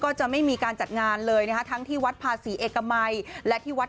ก็จะไม่มีการจัดงานเลยนะคะทั้งที่วัดภาษีเอกมัยและที่วัด